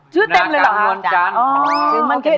ชื่อเต็มเลยหรอ